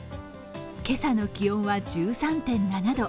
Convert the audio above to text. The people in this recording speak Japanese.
今朝の気温は１３．７度。